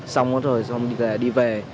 xong hết rồi xong rồi đi về